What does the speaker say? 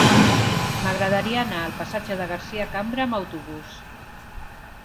M'agradaria anar al passatge de Garcia Cambra amb autobús.